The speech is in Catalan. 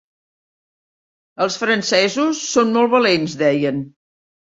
Els francesos són molt valents - deien.